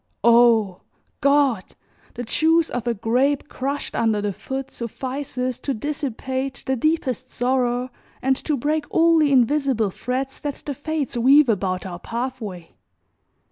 Oh! God! the juice of a grape crushed under the foot suffices to dissipate the deepest sorrow and to break all the invisible threads that the fates weave about our pathway.